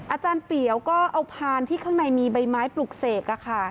อาจารย์เปียวก็เอาพานที่ข้างในมีใบไม้ปลุกเสก